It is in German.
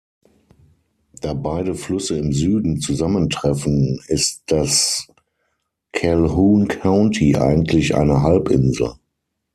Da beide Flüsse im Süden zusammentreffen ist das Calhoun County eigentlich eine Halbinsel.